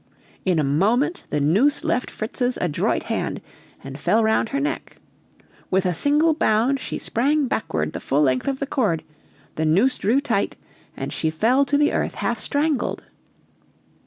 In a moment the noose left Fritz's adroit hand and fell round her neck; with a single bound she sprang backward the full length of the cord, the noose drew tight, and she fell to the earth half strangled.